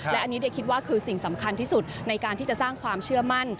และอันนี้เดย์คิดว่าคือสิ่งสำคัญที่สุดในการที่จะสร้างความเชื่อมั่น